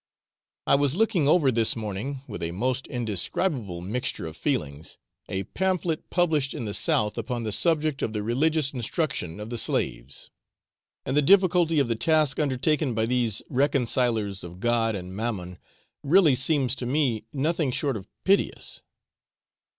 I was looking over this morning, with a most indescribable mixture of feelings, a pamphlet published in the south upon the subject of the religious instruction of the slaves; and the difficulty of the task undertaken by these reconcilers of God and Mammon really seems to me nothing short of piteous.